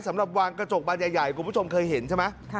สำหรับวางกระจกบานใหญ่คุณผู้ชมเคยเห็นใช่ไหม